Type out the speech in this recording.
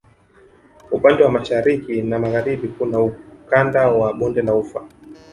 Upande wa Mashariki na Magharibi kuna Ukanda wa bonde la Ufa